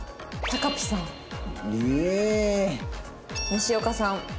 西岡さん